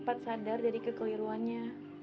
bawa aja pakai benca